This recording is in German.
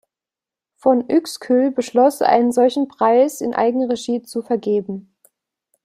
Von Uexküll beschloss, einen solchen Preis in Eigenregie zu vergeben.